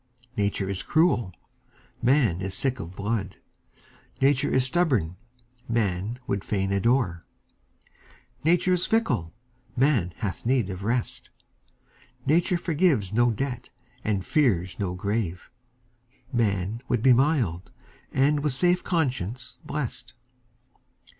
Nature is cruel, man is sick of blood; Nature is stubborn, man would fain adore; Nature is fickle, man hath need of rest; Nature forgives no debt, and fears no grave; Man would be mild, and with safe conscience blest.